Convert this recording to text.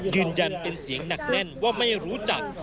ยืนยันเป็นเสียงหนักแน่นว่าไม่รู้จัก